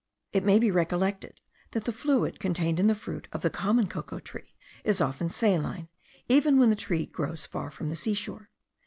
It may be recollected, that the fluid contained in the fruit of the common cocoa tree is often saline, even when the tree grows far from the sea shore.